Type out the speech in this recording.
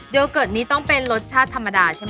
โอเกิร์ตนี้ต้องเป็นรสชาติธรรมดาใช่ไหม